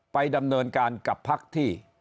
ไปดำเนินการกับพักที่